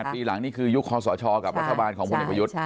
๘ปีหลังนี่คือยุคศาสตร์ชอบกับประธบาลของพวกเหนือประยุทธ์